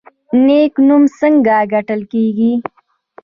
نیک نوم څنګه ګټل کیږي؟